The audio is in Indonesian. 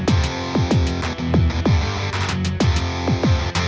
terima kasih karena